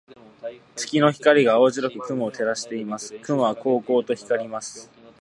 月の光が青白く雲を照らしています。雲はこうこうと光ります。